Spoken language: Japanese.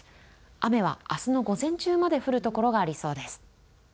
雨はあすの午前中まで降るところがありそうです。